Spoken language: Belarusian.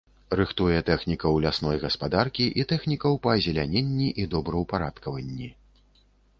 Рыхтуе тэхнікаў лясной гаспадаркі і тэхнікаў па азеляненні і добраўпарадкаванні.